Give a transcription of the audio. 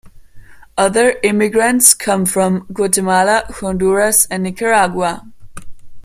Other immigrants come from Guatemala, Honduras and Nicaragua.